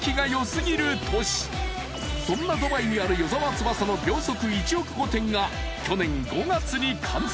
［そんなドバイにある与沢翼の秒速１億御殿が去年５月に完成］